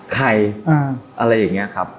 ใครอะไรอย่างนี้ครับ